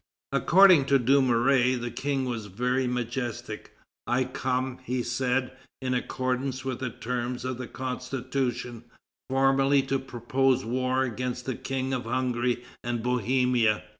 According to Dumouriez, the King was very majestic: "I come," he said, "in accordance with the terms of the Constitution, formally to propose war against the King of Hungary and Bohemia."